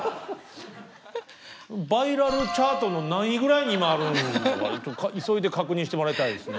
バイラルチャートの何位ぐらいに今あるのか急いで確認してもらいたいですね。